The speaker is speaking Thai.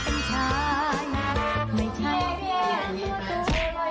พี่โฟนรู้สึกดีไหมค่ะ